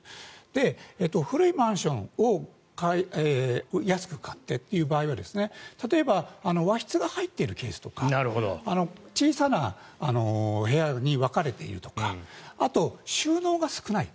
で、古いマンションを安く買ってという場合は例えば和室が入っているケースとか小さな部屋に分かれているとかあと、収納が少ない。